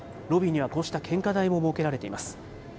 ロビーには、こうした献花台も設けられています。